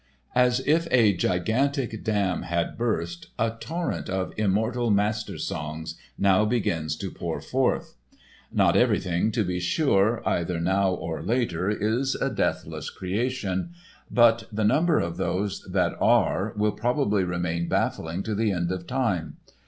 As if a gigantic dam had burst, a torrent of immortal mastersongs now begins to pour forth. Not everything, to be sure, either now or later is a deathless creation but the number of those that are will probably remain baffling to the end of time.